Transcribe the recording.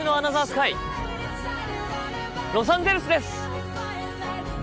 スカイロサンゼルスです！